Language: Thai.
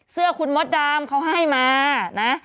เสื้อคุณมดดำเขาให้มานะ